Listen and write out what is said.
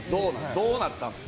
どうなったのよ？